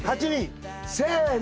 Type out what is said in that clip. せの。